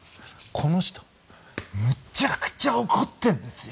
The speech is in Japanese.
この人、むちゃくちゃ怒っているんですよ！